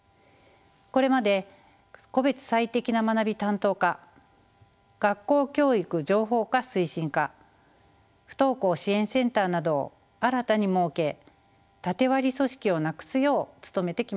これまで個別最適な学び担当課学校教育情報化推進課不登校支援センターなどを新たに設け縦割り組織をなくすよう努めてきました。